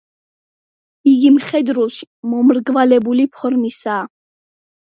იგი მხედრულში მომრგვალებული ფორმისაა.